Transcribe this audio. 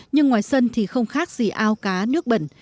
nhưng ngoài sân thì không khác gì ao cá nước bẩn